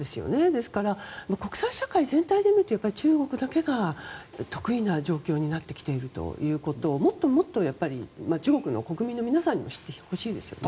ですから、国際社会全体で見ると中国だけが特異な状況になってきているということをもっともっと中国の国民の皆さんにも知ってほしいですね。